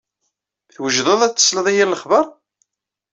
Twejdeḍ ad tesleḍ i yir lexber?